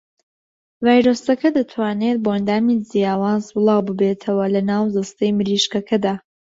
ڤایرۆسەکە دەتوانێت بۆ ئەندامی جیاواز بڵاوببێتەوە لە ناو جەستەی مریشکەکەدا.